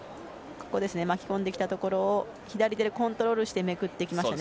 ここ、巻き込んできたところを左でコントロールしていきましたね。